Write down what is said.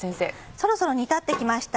そろそろ煮立って来ました。